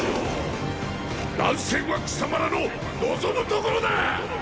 乱戦は貴様らの望むところだ！！